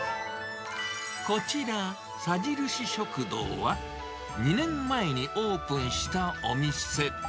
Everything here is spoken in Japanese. こちら、さじるし食堂は、２年前にオープンしたお店。